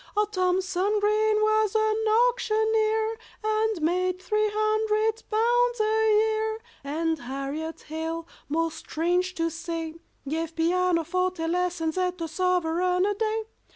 Oh, THOMSON GREEN was an auctioneer, And made three hundred pounds a year; And HARRIET HALE, most strange to say, Gave pianoforte lessons at a sovereign a day.